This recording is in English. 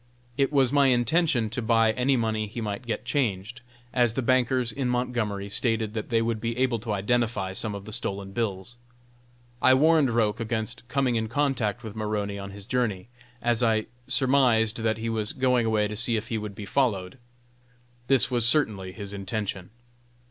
It was my intention to buy any money he might get changed, as the bankers in Montgomery stated that they would be able to identify some of the stolen bills. I warned Roch against coming in contact with Maroney on his journey, as I surmised that he was going away to see if he would be followed. This was certainly his intention.